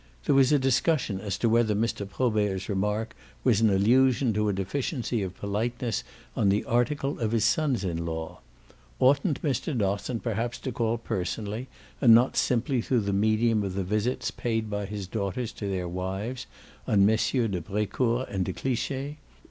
There was a discussion as to whether Mr. Probert's remark was an allusion to a deficiency of politeness on the article of his sons in law. Oughtn't Mr. Dosson perhaps to call personally, and not simply through the medium of the visits paid by his daughters to their wives, on Messieurs de Brecourt and de Cliche?